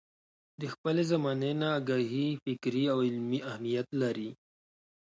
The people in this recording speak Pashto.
له خپلې زمانې نه اګاهي فکري او عملي اهميت لري.